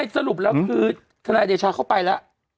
สรุปแล้วคือคณะอดีตชาติเข้าไปแล้ว